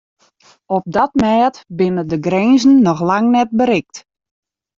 Op dat mêd binne de grinzen noch lang net berikt.